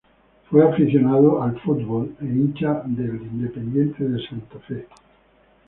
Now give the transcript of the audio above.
Fue aficionado al fútbol e hincha de Independiente Santa Fe.